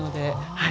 はい。